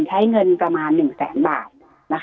ใช้เงินประมาณ๑แสนบาท